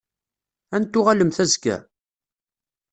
Ad n-tuɣalemt azekka?